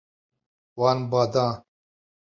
Wan ba da.